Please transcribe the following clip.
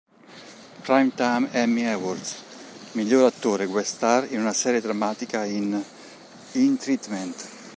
Primetime Emmy Awards: miglior attore guest star in una serie drammatica in "In Treatment"